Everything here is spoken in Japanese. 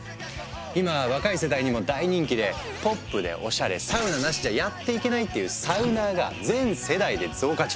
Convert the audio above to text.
今若い世代にも大人気で「ポップでおしゃれ」「サウナなしじゃやっていけない」っていう「サウナー」が全世代で増加中。